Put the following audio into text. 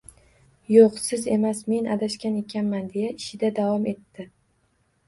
— Yo’q, siz emas! Men adashgan ekanman, — deya ishida davom etdi.